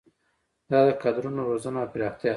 دا د کادرونو روزنه او پراختیا ده.